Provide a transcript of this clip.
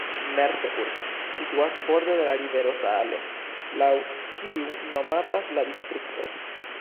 Merseburg situas borde de la rivero Saale, laŭ kiu nomatas la distrikto.